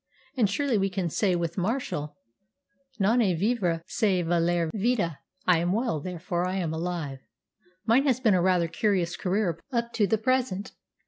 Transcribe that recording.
"And surely we can say with Martial, 'Non est vivere, sed valere vita' I am well, therefore I am alive! Mine has been a rather curious career up to the present.